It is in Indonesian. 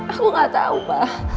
aku gak tau pa